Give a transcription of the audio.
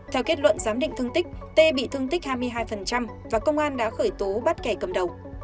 theo kết luận giám định thương tích tê bị thương tích hai mươi hai và công an đã khởi tố bắt kẻ cầm đầu